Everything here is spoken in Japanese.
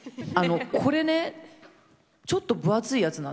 これねちょっと分厚いやつなんですよ。